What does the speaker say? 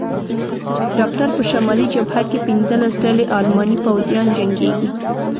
ډاکټر: په شمالي جبهه کې پنځلس ډلې الماني پوځیان جنګېږي.